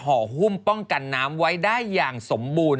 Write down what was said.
หุ้มป้องกันน้ำไว้ได้อย่างสมบูรณ